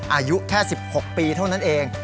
อายุแค่๑๖ปีเท่านั้นเอง